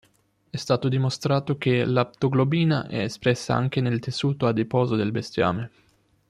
È stato dimostrato che l'aptoglobina è espressa anche nel tessuto adiposo del bestiame.